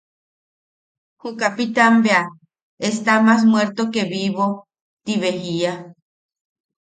Ju kapitan bea: –Está más muerto que vivo, ti bea jiia.